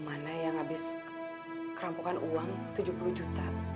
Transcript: rumahnya yang habis kerampokan uang tujuh puluh juta